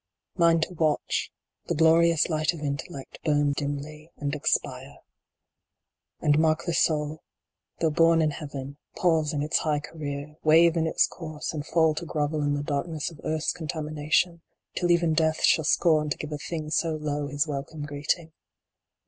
Mine to watch The glorious light of intellect Bum dimly, and expire ; and mark the soul, Though born in Heaven, pause in its high career, Wave in its course, and fall to grovel in The darkness of earth s contamination, till Even Death shall scorn to give a thing So low his welcome greeting